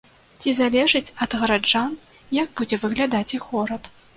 Ці залежыць ад гараджан, як будзе выглядаць іх горад?